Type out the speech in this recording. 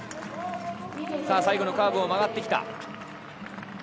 最後のカーブを曲がってきた。